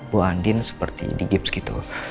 bu andin seperti di gips gitu